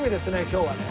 今日はね。